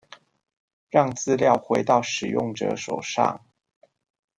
讓資料回到使用者手上